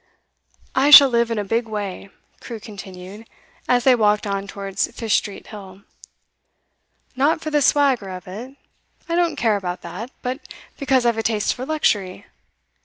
'I shall live in a big way,' Crewe continued, as they walked on towards Fish Street Hill. 'Not for the swagger of it; I don't care about that, but because I've a taste for luxury.